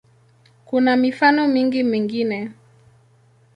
Kuna mifano mingi mingine.